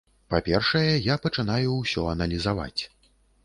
Па-першае, я пачынаю ўсё аналізаваць.